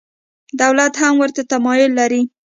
دولت هم ورته تمایل لري.